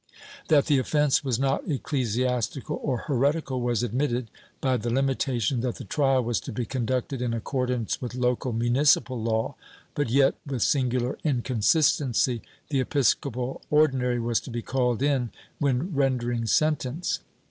That the offence was not ecclesiastical or heretical was admitted by the limitation that the trial was to be conducted in accordance with local municipal law, but yet, with singular inconsistency, the episcopal Ordinary was to be called in when rendering sen tence.'